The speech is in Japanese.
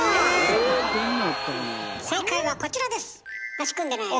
正解はこちらです。